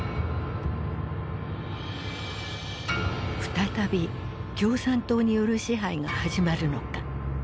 再び共産党による支配が始まるのか。